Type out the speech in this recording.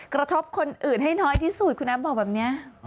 กระทบคนอื่นให้น้อยที่สุดคุณแอฟบอกแบบนี้